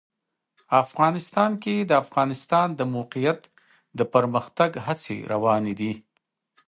افغانستان کې د د افغانستان د موقعیت د پرمختګ هڅې روانې دي.